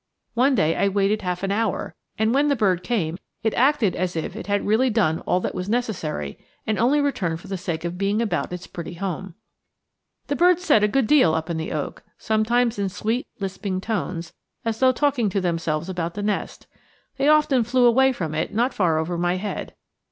One day I waited half an hour, and when the bird came it acted as if it had really done all that was necessary, and only returned for the sake of being about its pretty home. The birds said a good deal up in the oak, sometimes in sweet lisping tones, as though talking to themselves about the nest. They often flew away from it not far over my head.